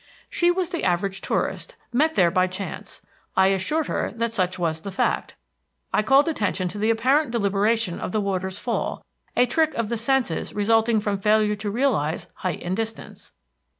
She was the average tourist, met there by chance. I assured her that such was the fact. I called attention to the apparent deliberation of the water's fall, a trick of the senses resulting from failure to realize height and distance.